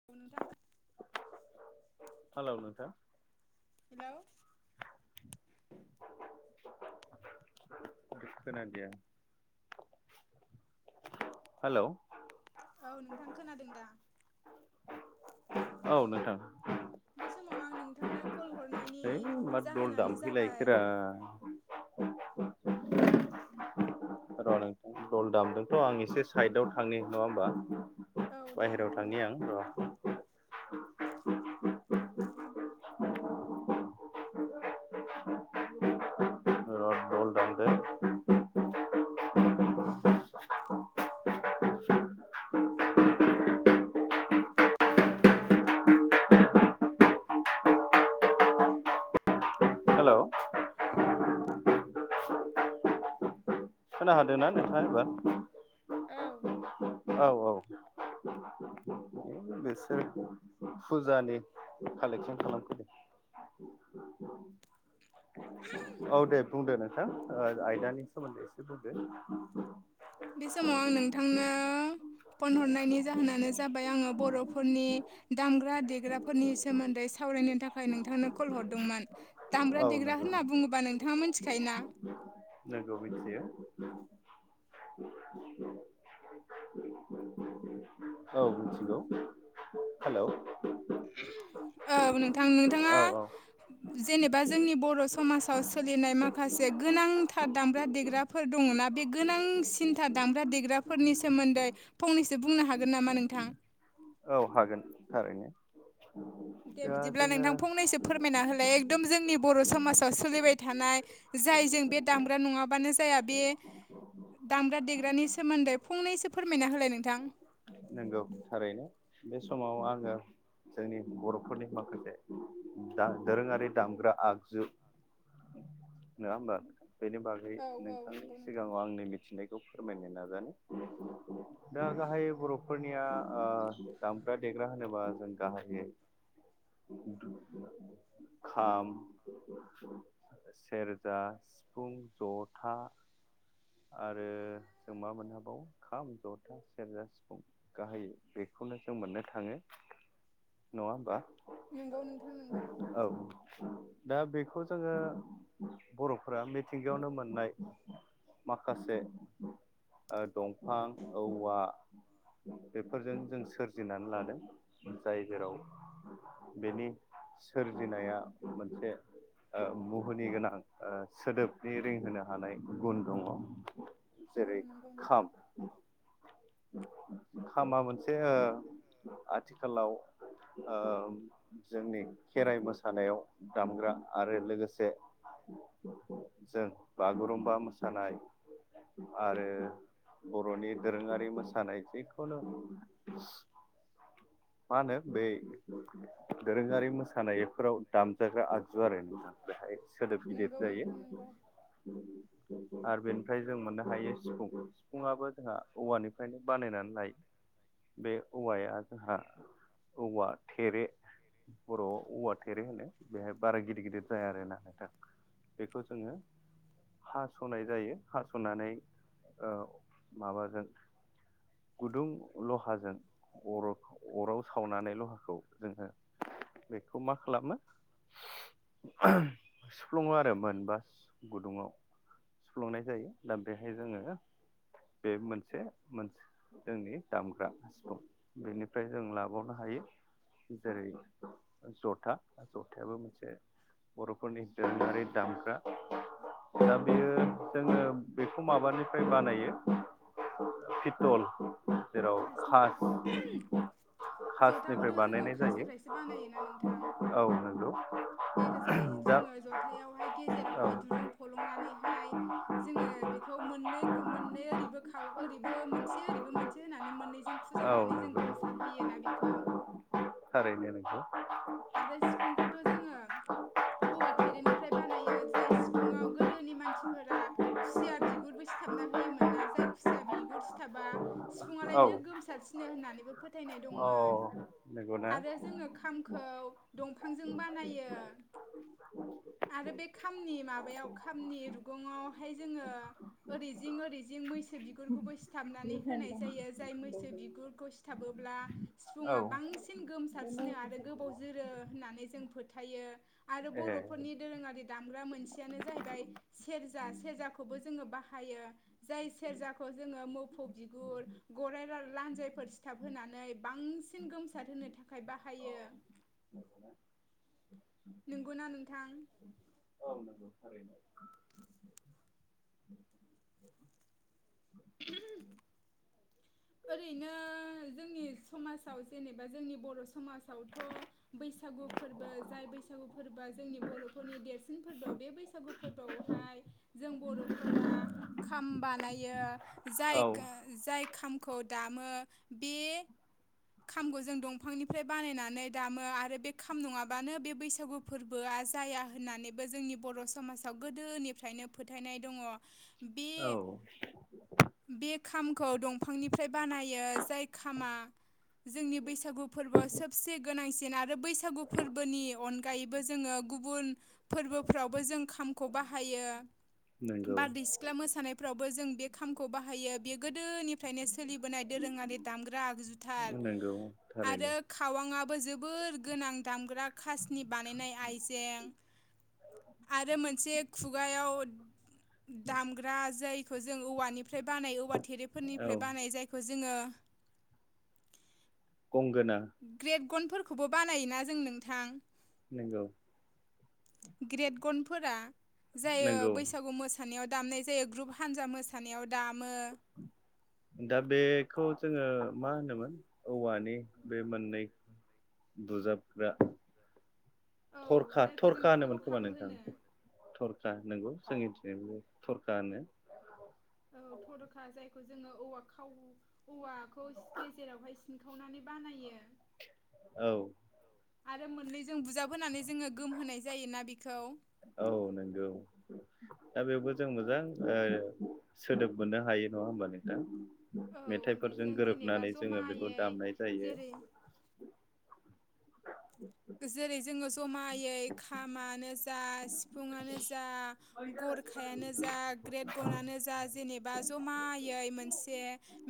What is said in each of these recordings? [inaudible] Hello नोंथां hello [inaudible] [inaudible] hello औ नोंथां खोनादों दा? औ नोंथां बे समाव आं नोंथांनो कल हरनायनि है मा दल जाहोनानो जाबाय दामफैलायखोरा [unintelligible] [unintelligible] र' नोंथां दलदामजोंथ' आं एसे साइदआव थाङो नङा होमबा! औ दे बाहेरायाव नोंथां थांनि दे आं र' [unintelligible] [unintelligible] र' दल दामदों [unintelligible] [unintelligible] [unintelligible] हेलौ [unintelligible] खोना हादों ना नोंथाङा एबार? औ औ औ [unintelligible] बिसोर फुजानि कालेक्सन खालामफैदो [inaudible] औ दे बुंदो नोंथां ओ आयदानि सोमोन्दै एसे बुंदो बि समाव आं नोंथांनो फन हरनायनि जाहोनानो ज जाबाय आङो बर'फोरनि दामग्रा देग्राफोरनि सोमोन्दै सावरायनो थाखाय नोंथांनो कल हरदोंमोन औ दामग्रा देग्रा नंगौ होनना बुङोबा नोंथाङा मिथिखायोना नोंगौ मिथियो औ मिथिगौ हेलौ औ नोंथां नोंथाङा औ जेनेबा जोंनि बर' समाजाव सोलिनाय माखासे गोनांथार दामग्रा देग्रा फोर दङनाा बे गोनांसिन्थार दामग्रा देग्राफोरनि सोमोन्दै फंनैसो बुंनो हागोन नामा नोंथां औ हागोन थारैनो दे दा बिदिब्ला नोंथां जोङो फंनैसो फोरमायना होलाय एकदम जोंनि बर' समाजाव सोलिबाय थानाय जायजों बे दामग्रा नङाबानो जाया बे दामग्रा देग्रानि सोमोन्दै फंनैसो फोरमायना होलाय नोंथां नंगौ थारैनो बे समाव आंङो जोंनि बर'फोरनि माखासे दा दोरोंङारि दामग्रा आगजु नोङा होमबा नोंथां बेनि बागै औ औ नोंथांनि नंगौ नोंथां सिगांङाव आंनि मिथिनायखौ फोरमायनो नाजानाय दा गाहायै बर'फोरनि जोंनिया ओ दामग्रा देग्रा होनोबा जों गाहायै [unintelligible] खाम सेरजा सिफुं ज'था आरो जों मा मोननो हाबावो खाम जथा सेरजा सिफुं गाहायै बेखौनो जों मोननो थांङो नङा होमबा नोंगौ नोंथां नोंगौ औ। दा बेखौ जोंङो बर'फोरा मिथिंगायावनो मोननाय माखासे ओ दंफां औवा बेफोरजों जों सोरजिनानै लादों जाय जेराव बेनि सोरजिनाया मोनसे ओ मुहुनि गोनां ओ सोदोबनि रिंहोनो हानाय गुन दङ औ जेरै नंगौ नोंथां खाम खामा मोनसे ओ आथिखालाव ओ जोंनि खेराइ मोसानायाव दामग्रा आरो लोगोसे जों बागुरुमबा मोसानाय आरो बर'नि दोरोङारि मोसानाय जि [unintelligible] मा होनो बे दोरोङारि मोसानायफोराव दामजाग्रा आगजु आरो नोंथां बेहाय सोदोब गिदिर नंगौ जायो नोंथां नंगौ आरो बेनिफ्राय जों मोननो हायो सिफुं सिफुंङाबो जोंहा औवानिफ्रायनो बानायनानै लायो बे औवाया जोंहा औवा थेरे बरवाव औवा थेरे होनो बेहाय बारा गिदिर गिदिर जाया आरो ना नोंथां बेखौ जोंङो हास'नाय जायो हास'नानै ओ माबाजों गुदुं लहाजों अ अराव सावनानै लहाखौ जोंङो बेखौ मा खालामो सुफ्लुंङो आरो मोनबा गुदुंङाव। सुफ्लुंनाय जायो दा बेहाय जोंङो बे मोनसे मोनसे जोंनि दामग्रा सिफुं बेनिफ्राय जों लाबावनो हायो जेरै जथा जथायाबो मोनसे बर'फोरनि दोरोंङारि दामग्रा दा बेयो जोंङो बेखौ माबानिफ्राय बानायो [unintelligible] द'ल खासनि खासनिफ्राय ज'थाखौथ' जोंङो बानायनाय जायो खासनिफ्रायसो बानायोना नोंथां। औ नोंगौ। बेखौ जाय जोंङो जथायावहाय औ गेजेरावहाय दुरुं फलंनानैहाय जोंङो बेखौ मोननै मोननै ओरैबो बोखाव ओरैबो मोनसे ओरैबो मोनसे होनानै मोननैजों औ फोजाबनानै जों नंगौ गोमसार होयो ना बेखौ [inaudible] थारैनो नोंथां। आरो सिफुंखौथ' जोंङो औवा थेरेनिफ्राय बानायो जाय सिफुुंङाव गोदोनि मानसिफोरा खुसिया बिगुरबो सिथाबना होयोमोन ना जाय खुसिया बिगुर सिथाबा औ सिफुङालायनो गोमसारसिनो होननानैबो फोथायनाय अ दंमोन नंगौना आरो जोंङो खाम खौ दंफांजों बानायो। आरो बे खामनि माबायाव खामनि रुगङावहाय जोंङो ओरै जिं ओरै जिं मैसो बिगुरखौबो सिथाबनानै होनाय जायो जाय मैसो बिगुरखौ सि थाबोब्ला औ सिफुुंआ बांसिन गोमसारसिनो आरो आरो गोबाव जोरो होननानै जों फोथायो। आरो ए बर'फोरनि दोरोङारि दामग्रा मोनसेयानो जाहैबाय सेरजा सेरजाखौबो जोंङो बाहायो। जाय सेरजाखौ जोंङो मोफौ बिगुर गराइ लान्जायफोर सिथाब होनानै बां बांसिन गोमसाद होनो थाखाय बाहायो। नंगौना नोंथां। औ नंगौ थारैनो ओरैनो जोंनि समाजाव जेनेबा जोंनि बर' समाजावथ' बैसागु फोरबो जाय बैसागु फोरबोआ जोंनि बर'फोरनि देरसिन फोरबो बे बैसागु फोरबोआवहाय जों बर'फोरा खाम बानायो। औ जाय जाय खामखौ दामो बे खामखौ जों दंफांनिफ्राय बानायनानै दामो आरो बे खाम नङाबानो बे बैसागु फोरबोआ जाया होननानैबो जोंनि बर' समाजाव गोदोनिफ्रायनो फोथायनाय दङ बे औ बे खामखौ दंफांनिफ्राय बानायो जाय खामा जोंनि बैसागु फोरबोआ सबसे गोनांसिन आरो बैसागु फोरबोनि अन गायबो जोंङो गुबुन फोरबोफ्रावबो जों खामखौ बाहायो। नंगौ बारदै सि ख्ला मोसानायफ्रावबो जों बे खामखौ बाहायो बे गोदोनिफ्रायनो सोलिबोनाय दोरोङारि दामग्रा आगजु था नोंगौ आरो खावांआबो जोबोर गोनां दामग्रा खासनि बानायनाय आइजें आरो मोनसे खुगायाव दामग्रा जैखौ जों औवानिफ्राय बानाय औवा औ थेरेफोरनिफ्राय बानाय जायखौ जोंङो गंगोना ग्रेबगनफोरखौबो बानायोना जों नोंथां। नंगौ ग्रेट गनफोरा जायो नंगौ बैसागु मोसा नायाव दामनाय जायो ग्रुप हानजा मोसानायाव दामो। दा बेखौ जोंङो मा होनोमोन औवानि बे मोननै बुजाबग्रा औ थरखा जायखौ जों थरखा होनोमोन खोमा थर'खाबो नोंथां? होनो थरखा नंगौ जोंनिथिंबो थरखा होनो औ थरखा जायखौ जोङो औवा खाव औवाखौ गेजेरावहाय सिनखावनानै बानायो। औ आरो मोननैजों बुजाब होनानै जोङो गोमहोनाय जायोना बेखौ औ नोंगौ दा बेयावबो जों मोजां ओ सोदोब मोननो हायो नङा होमबा नोंथां औ मेथाइफोरजों बेजों जेनेबा गोरोबनानै जोङो बेखौ जमायै दामनाय जायो। जेरै जेरै जोङो जमायै खामानो जा सिफुुंआनो जा गरखायानो जा ग्रेट गनानो जा जेनेबा जमायै मोनसे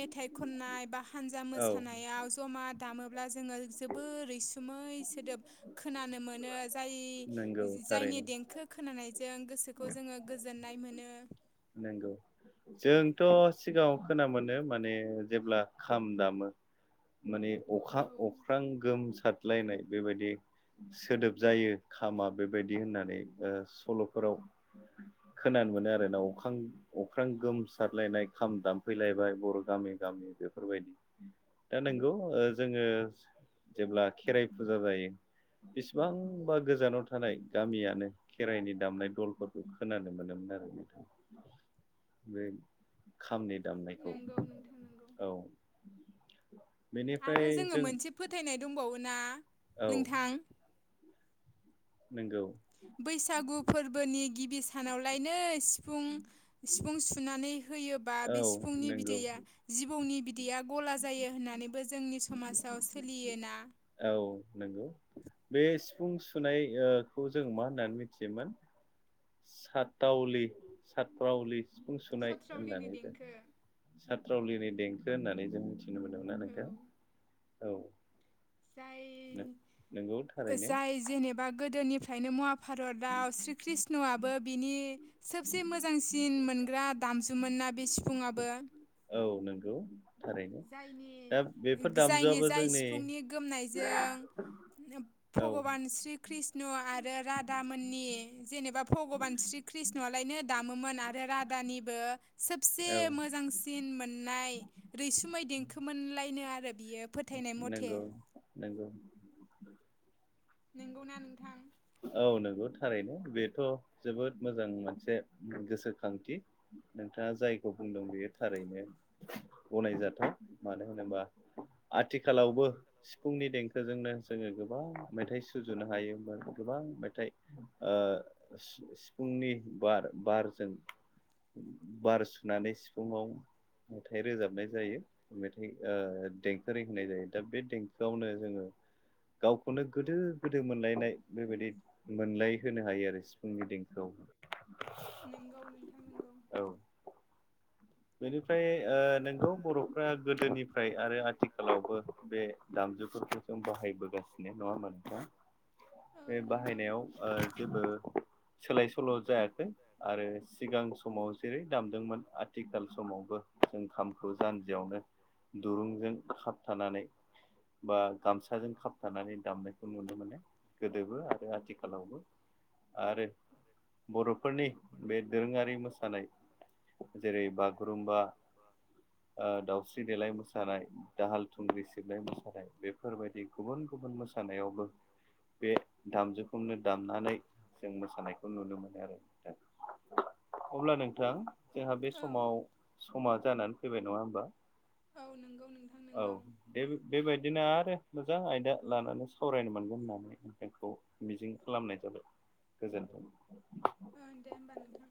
मेथाइ खननाय बा हानजा औ मोसानायाव जमा दामोब्ला जोङो जोबोर रैसुमै सोदोब खोनानो मोनो। जाय नंगौ जायनि थारैनो देंखो खोनानायजों गोसोखौ जोङो गोजोननाय मोनो। नोंगौ जोंथ' सिगाङाव खोना मोनो माने जेब्ला खाम दामो। माने अखा औ अख्रां गोमसारलायनाय बेबायदि सोदोब जायो खामा बेबायदि होननानै ओ सल'फोराव खोनानो मोनो आरो नाव [unintelligible] अख्रां गोमसारलायनाय खाम दामफैलायबाय बर' गामि गामि बेफोरबायदि दा नोंगौ ओ जोङो जेब्ला खेराइ फुजा जायो बेसिबांबा गोजानाव थानाय गामियानो खेराइनि दामनाय दलफोरखौ खोनानो मोनोमोन आरो नोंथां बे खामनि दामनायखौ नंगौ नोंथां नंगौ। औ आरो बेनिफ्राय जोङो जों मोनसे फोथायनाय दंबावोना औ नोंथां? नोंगौ बैसागु फोरबोनि गिबि सानावलायनो सिफुं सिफुं सुनानै होयोबा औ बे सिफुंनि नंगौ बिदैया जिबौनि बिदैया गला जायो होननानै बो जोंनि समाजाव सोलियोना औ नोंगौ बे सिफुं सुनाय ओ खौ जों मा होननानै मिथियोमोन सातावलि सातप्रावलि सिफुं सुनाय सथ्रावलिनि होननानै जों देंखो साथ्रावलिनि देंखो होननानै जों मिथिनो मोनोमोन ना औ नोंथां औ जाय [unintelligible] नोंगौ थारैनो जाय जेनेबा गोदोनिफ्रायनो महाभारतआव श्री कृष्णआबो बिनि सोबसे मोजांसिन मोनग्रा दामजुमोन ना बे सिफुंआबो औ नोंगौ जायनि जायनि दामजुआबो जाय जोंनि सिफुंनि गोमनायजों औ भगबान श्री कृष्ण आरो राधामोननि जेनेबा भगबान श्री कृष्णआलायनो दामोमोन आरो राधानिबो औ सबसे मोजांसि सिन मोननाय रैसुमै देंखो मोनलायनो आरो बियो फोथायनाय मथे। नोंगौ नोंगौ नोंगौना नोंथां औ नंगौ थारैनो बेथ' जोबोद मोजां मोनसे गोसोखांथि नोंथाङा जायखौ बुंदों बेयो थारैनो गनायजाथाव मानो होनोबा आथिखालावबो सिफुंनि देंखोजोंनो जोङो गोबां मेथाइ सुजुनो हायो गोबां मेथाइ ओ सि सिफुंनि बार बारजों बार सुनानै सिफुंङाव मेथाइ रोजाबनाय जायो मेथाइ ओ दें [unintelligible] होनाय जायो दा बे देंखोआवनो जोङो गावखौनो गोदो गोदो मोनलायनाय बेबायदि मोनलाय होनो हायो आरो सिफुंनि देंखोआव नोंगौ नोंथां नोंगौ औ बेनिफ्राय ओ नोंगौ बर'फ्रा गोदोनिफ्राय आरो आथिखालावबो बे दामजुफोरखौ [unintelligible] बाहायबोगासिनो नङा होमबा नोंथां औ बे नंगौ। बाहायनायाव जेबो सोलाय सोल' जायाखै आरो सिगां समाव जेरै दामदोंमोन आथिखाल समावबो जों खामखौ जान्जियावनो दुरुंजों खाबथानानै बा गामसाजों खाबथानानै दामनायखौ नुनो मोनो गोदोबो आरो आथिखालावबो आरो बर'फोरनि बे दोरोङारि मोसानाय जेरै बागुरुम्बा दाउस्रि देलाय मोसानाय दाहाल थुंग्रि सिबनाय मोसानाय बे बेफोरबायदि गुबुन गुबुन मोसानायावबो बे दामजुखौनो दामनानै जों मोसानायखौ नुनो मोनो आरो दा अब्ला नों थां जोंहा बे औ समाव समा जानानै फैबाय नङा होनबा औ नंगौ नोंथां औ नंगौ बेब बेबादिनो आरो मोजां आयदा लानानै सावरायनो मोनगोन होननानै खौ मिजिं खालामनाय जाबाय गोजोन्थों ओं दे होमबा नोंथां